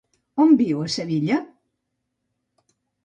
On viu a Sevilla?